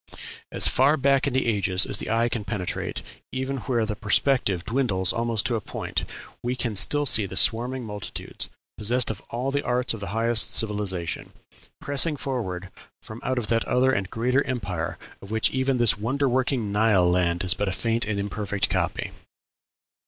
As far back in the ages as the eye can penetrate, even where the perspective dwindles almost to a point, we can still see the swarming multitudes, possessed of all the arts of the highest civilization, pressing forward from out that other and greater empire of which even this wonderworking Nile land is but a faint and imperfect copy.